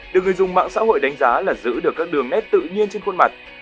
được người dùng mạng xã hội đánh giá là giữ được các đường nét tự nhiên trên khuôn mặt